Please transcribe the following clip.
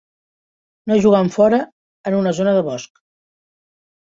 Nois jugant fora en una zona de bosc.